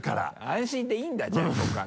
安心でいいんだじゃあ告白。